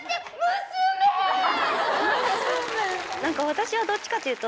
私はどっちかっていうと。